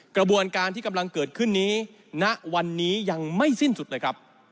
กระบวนการที่กำลังเกิดขึ้นนี้ณวันนี้ยังไม่สิ้นสุดเลยครับ